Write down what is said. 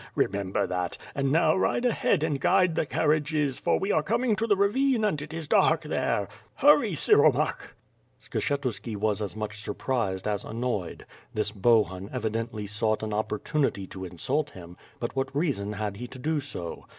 Remember that, and now ride ahead and guide the carriages, for we are coming to the ravine and it is dark there. Hurry Siromakh!'' Skshetuski was as much surprised as annoyed. This Bohun evidently sought an opportunity to insult him, but what rea son had he to do so?